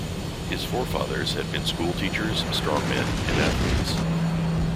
His fore fathers had been school-teachers, strong men and athletes.